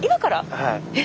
はい。